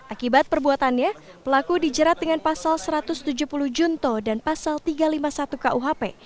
akibat perbuatannya pelaku dijerat dengan pasal satu ratus tujuh puluh junto dan pasal tiga ratus lima puluh satu kuhp